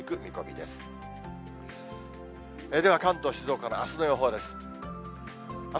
では、関東、静岡のあすの予報です。